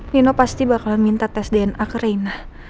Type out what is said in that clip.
nino pasti bakalan minta tes dna ke reina